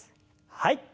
はい。